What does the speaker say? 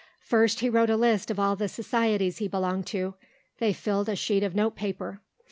First he wrote a list of all the societies he belonged to; they filled a sheet of note paper.